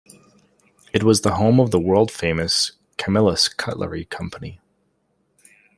It was the home of the world-famous Camillus Cutlery Company.